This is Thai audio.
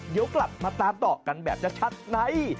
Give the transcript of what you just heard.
เดี๋ยวกลับมาตามต่อกันแบบชัดใน